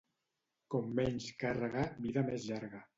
Com menys càrrega, vida més llarga.